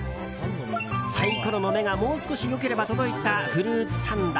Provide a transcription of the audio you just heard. サイコロの目がもう少し良ければ届いたフルーツサンド。